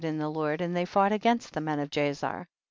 in the Lord, and they fought against the men of Jaazer.